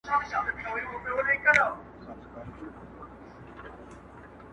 کډي مي بارېږي، زوىمي را ملا که.